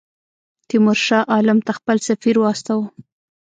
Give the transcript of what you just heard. تیمورشاه شاه عالم ته خپل سفیر واستاوه.